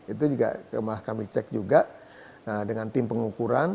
itu juga kami cek juga dengan tim pengukuran